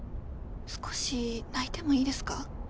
少し泣いてもいいですか？